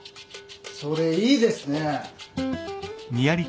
それいいですね。